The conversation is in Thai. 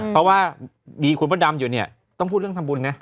เพราะว่ามีคุณพระดำอยู่เนี่ยต้องพูดเรื่องทำบุญนะ